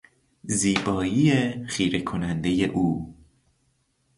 زیبایی خیرهکنندهی او